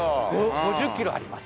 ５０キロあります。